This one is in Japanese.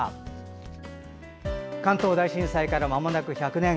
関東大震災からまもなく１００年。